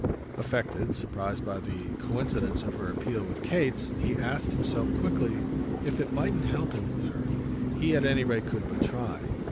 Affected, surprised by the coincidence of her appeal with Kate's, he asked himself quickly if it mightn't help him with her. He at any rate could but try.